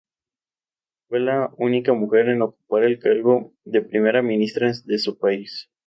Fue la única mujer en ocupar el cargo de primera ministra de su país.